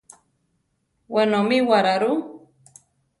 Wenomíwara rú?